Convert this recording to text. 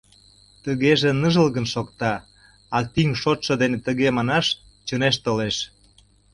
Тыгеже ныжылгын шокта, а тӱҥ шотшо дене тыге манаш чынеш толеш.